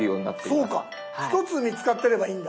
そうか１つ見つかってればいいんだ。